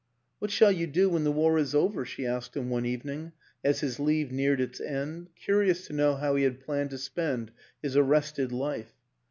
"What shall you do when the war is over?" she asked him one evening as his leave neared its end, curious to know how he had planned to spend his arrested life.